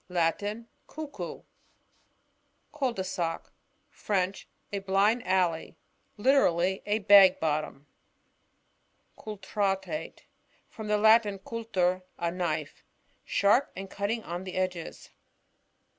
— Latin. Cnckoo. Cul de sac. — French. A blind alley ; literally, a bag bottom. Cultrate. — From the Latin, euUer, a knife. Sharp and cutting on the edges.